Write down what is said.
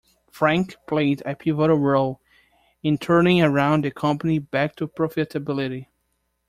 Frank played a pivotal role in turning around the company back to profitability.